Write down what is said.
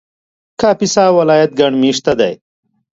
کاپیسا ولایت ګڼ مېشته دی